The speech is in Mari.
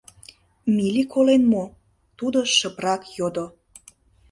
Мили колен мо? — тудо шыпрак йодо.